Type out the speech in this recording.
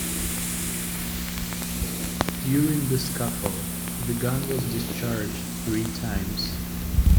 During the scuffle, the gun was discharged three times.